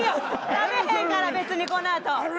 食べへんから別にこのあと。ガウガウ。